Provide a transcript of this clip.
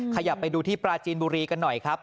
ขยับไปดูที่ปราจีนบุรีกันหน่อยครับ